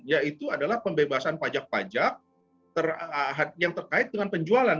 yaitu adalah pembebasan pajak pajak yang terkait dengan penjualan